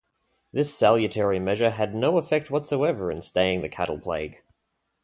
This salutary measure had no effect whatsoever in staying the cattle plague.